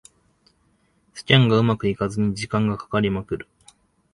スキャンがうまくいかずに時間がかかりまくる